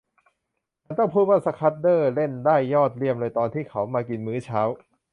ฉันต้องพูดว่าสคัดเดอร์เล่นได้ยอดเยี่ยมเลยตอนที่เขามากินมื้อเช้า